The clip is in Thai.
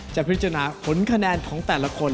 จะพิจารณาผลคะแนนของแต่ละคน